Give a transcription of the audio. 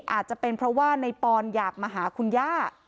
อาจจะเป็นเพราะว่าในปอนอยากมาหาคุณย่า